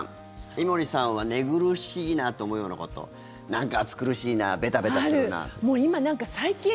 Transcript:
井森さんは寝苦しいなと思うようなことなんか暑苦しいなベタベタするな。